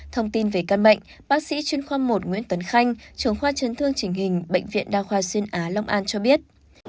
thông tin về căn bệnh bác sĩ chuyên khoa một nguyễn tấn khanh trưởng khoa chấn thương trình hình bệnh viện đa khoa xuyên á long an cho biết